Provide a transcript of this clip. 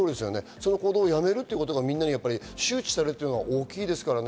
その行動をやめることが、みんなに周知されることが大きいですからね。